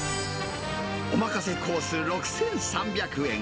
おまかせコース６３００円。